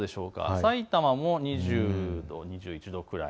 さいたまも２０度、２１度くらい。